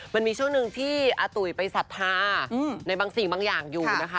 มันมีช่วงหนึ่งที่อาตุ๋ยไปศรัทธาในบางสิ่งบางอย่างอยู่นะคะ